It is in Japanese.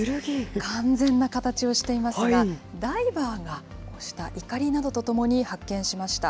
完全な形をしていますが、ダイバーがこうしたいかりなどとともに発見しました。